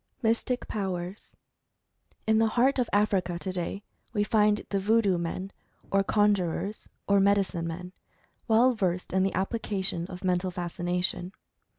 MYSTIC POWERS. In the heart of Africa today, we find the Voodoo men, or Conjurers, or Medicine Men, well versed in the application of Mental Fascination.